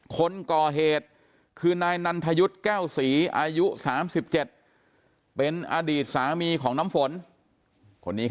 คนก่อเหตุคือนายนันทยุทธ์แก้วศรีอายุ๓๗เป็นอดีตสามีของน้ำฝน